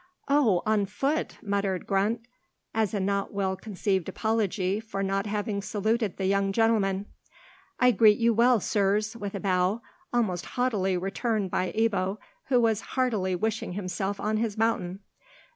"Ah, on foot!" muttered Grundt, as a not well conceived apology for not having saluted the young gentlemen. "I greet you well, sirs," with a bow, most haughtily returned by Ebbo, who was heartily wishing himself on his mountain.